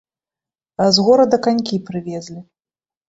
З горада канькі прывезлі.